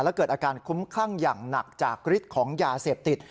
และเกิดอาการคุ้มคลั่งอย่างหนักจากฤทธิ์ของยาเสพติด